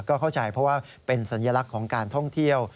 ก็เข้าใจเพราะว่าเป็นสัญลักษณ์ของการท่องเที่ยว